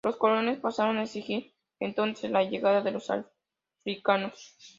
Los colonos pasaron a exigir, entonces, la llegada de los africanos.